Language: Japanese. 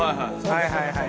はいはい。